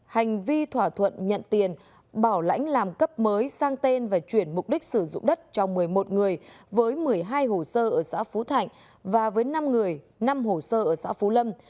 hành vi thỏa thuận nhận tiền bảo lãnh làm cấp mới sang tên và chuyển mục đích sử dụng đất cho một mươi một người với một mươi hai hồ sơ ở xã phú thạnh và với năm người năm hồ sơ ở xã phú lâm